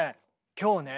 今日ね